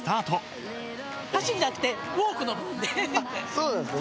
そうなんすね。